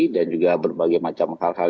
juga berbagai macam hal hal